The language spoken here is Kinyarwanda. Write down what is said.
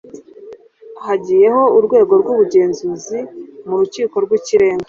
hagiyeho urwego rw'ubugenzuzi mu rukiko rw'ikirenga